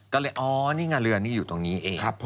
ก็เลยอ๋อนี่ไงเรือนี่อยู่ตรงนี้เอง